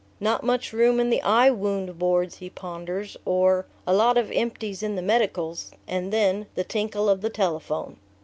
"Not much room in the eye wound wards," he ponders; or, "A lot of empties in the medicals." And then ... the tinkle of the telephone....